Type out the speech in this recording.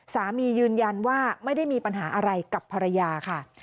ยืนยันว่าไม่ได้มีปัญหาอะไรกับภรรยาค่ะ